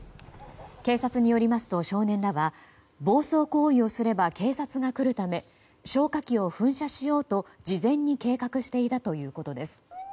警察によりますと少年らは暴走行為をすれば警察が来るため消火器を噴射しようと、事前に計画していたということです。